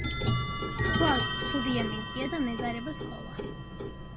ხვალ ცუდი ამინდია და მეზარება სკოლა